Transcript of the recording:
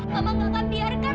mama gak akan biarkan